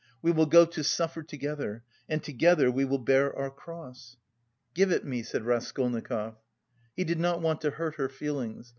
"We will go to suffer together, and together we will bear our cross!" "Give it me," said Raskolnikov. He did not want to hurt her feelings.